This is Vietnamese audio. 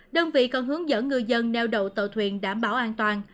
đơn vị còn hướng dẫn người dân neo đầu tàu thuyền đảm bảo an toàn